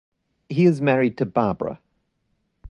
He is married to Barbara.